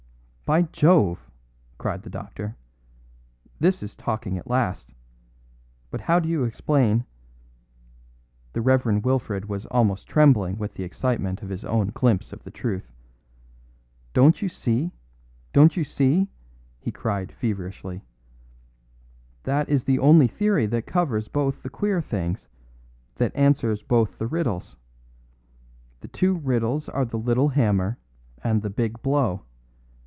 "By Jove!" cried the doctor, "this is talking at last. But how do you explain " The Rev. Wilfred was almost trembling with the excitement of his own glimpse of the truth. "Don't you see; don't you see," he cried feverishly; "that is the only theory that covers both the queer things, that answers both the riddles. The two riddles are the little hammer and the big blow.